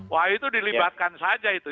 wah itu dilibatkan saja itu